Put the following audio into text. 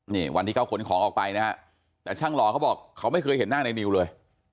นี่วันที่เขาขนของออกไปนะฮะแต่ช่างหล่อเขาบอกเขาไม่เคยเห็นหน้าในนิวเลย